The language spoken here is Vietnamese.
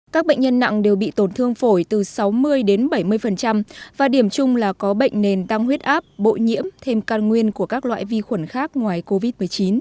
các bệnh nhân nặng đều bị tổn thương phổi từ sáu mươi đến bảy mươi và điểm chung là có bệnh nền tăng huyết áp bội nhiễm thêm can nguyên của các loại vi khuẩn khác ngoài covid một mươi chín